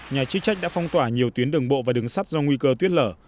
nhà chức trách đã phong tỏa nhiều tuyến đường bộ và đường sắt do nguy cơ tuyết lở